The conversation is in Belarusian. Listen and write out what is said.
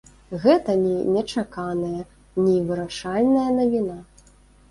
Гэта ні нечаканая, ні вырашальная навіна.